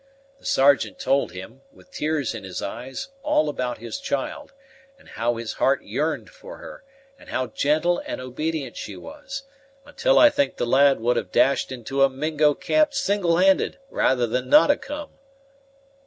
The Sergeant told him, with tears in his eyes, all about his child, and how his heart yearned for her, and how gentle and obedient she was, until I think the lad would have dashed into a Mingo camp single handed, rather than not a come."